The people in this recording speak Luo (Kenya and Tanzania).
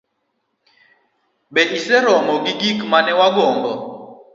Be iseromo gi gik ma ne wagombo?